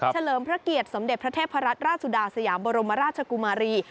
เลิมพระเกียรติสมเด็จพระเทพรัตนราชสุดาสยามบรมราชกุมารี